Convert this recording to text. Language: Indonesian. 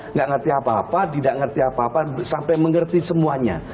nggak ngerti apa apa tidak ngerti apa apa sampai mengerti semuanya